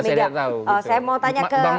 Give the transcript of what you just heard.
saya mau tanya ke